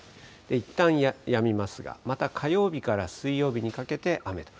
いったんやみますが、また火曜日から水曜日にかけて雨と。